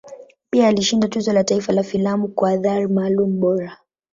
Pia alishinda Tuzo la Taifa la Filamu kwa Athari Maalum Bora.